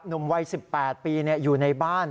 หนุ่มวัย๑๘ปีอยู่ในบ้าน